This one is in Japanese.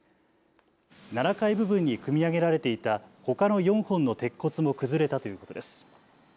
７階部分に組み上げられていたほかの４本の鉄骨も崩れたということです。